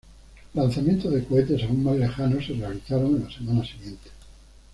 Lanzamientos de cohetes aún más lejanos se realizaron en las semanas siguientes.